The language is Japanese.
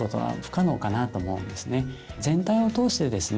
全体を通してですね